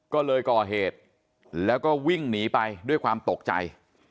ก็เลยก่อเหตุแล้วก็วิ่งหนีไปด้วยความตกใจ